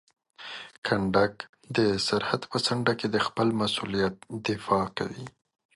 کنډک د سرحد په څنډه کې د خپل مسؤلیت دفاع کوي.